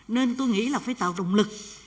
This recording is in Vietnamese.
nên tôi nghĩ là phải tạo động lực